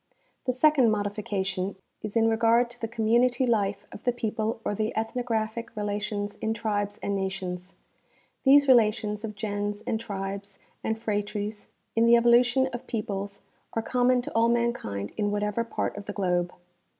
The second modification is in regard to the community life of the people or the ethnographic relations in tribes and nations. These relations of gens and tribes and phratres in the evolution of peoples are common to all mankind in whatever part of the globe.